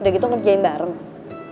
udah gitu ngerjain banget ya